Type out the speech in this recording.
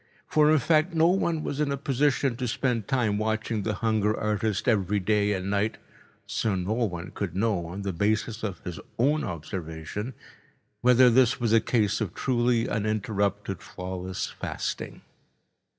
For, in fact, no one was in a position to spend time watching the hunger artist every day and night, so no one could know, on the basis of his own observation, whether this was a case of truly uninterrupted, flawless fasting.